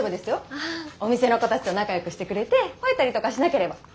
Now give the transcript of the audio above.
お店の子たちと仲よくしてくれてほえたりとかしなければ。